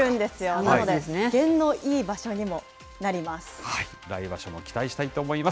なので、験のいい場所にもなります。